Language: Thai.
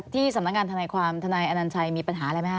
ที่สำนักงานทนายความทนายอนัญชัยมีปัญหาอะไรไหมค